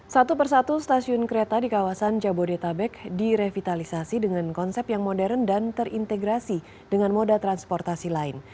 satu persatu stasiun kereta di kawasan jabodetabek direvitalisasi dengan konsep yang modern dan terintegrasi dengan moda transportasi lain